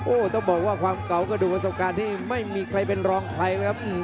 โอ้โหต้องบอกว่าความเก่ากระดูกประสบการณ์ที่ไม่มีใครเป็นรองใครนะครับ